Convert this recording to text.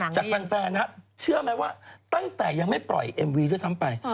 จากแฟนนะเชื่อไหมว่าตั้งแต่ยังไม่ปล่อยเอ็มวีด้วยซ้ำไป